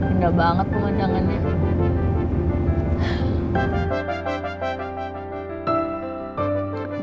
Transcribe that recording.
indah banget pemandangannya